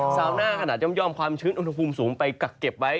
สาวหน้าขนาดย่อมความชื้นอุณหภูมิสูงไปกักเก็บไว้